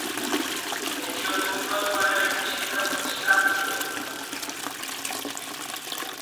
এটি অতি উন্নত মানের একটি শিক্ষাপ্রতিষ্ঠান ছিল।